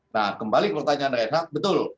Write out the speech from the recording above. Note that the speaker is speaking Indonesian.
nah kembali ke pertanyaan rehat betul